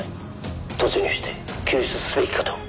「突入して救出すべきかと」